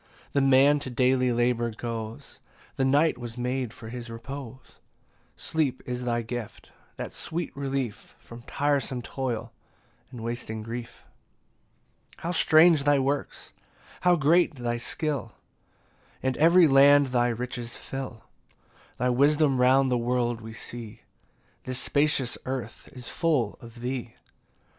17 Then man to daily labour goes; The night was made for his repose: Sleep is thy gift; that sweet relief From tiresome toil and wasting grief. 18 How strange thy works! how great thy skill! And every land thy riches fill: Thy wisdom round the world we see, This spacious earth is full of thee.